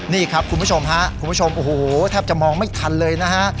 นี่ครับคุณผู้ชมฮะคุณผู้ชมโอ้โหแทบจะมองไม่ทันเลยนะฮะ